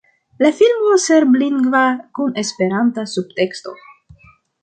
La filmo serblingva kun esperanta subteksto.